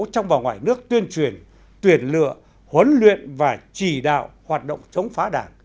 trong và ngoài nước tuyên truyền tuyển lựa huấn luyện và chỉ đạo hoạt động chống phá đảng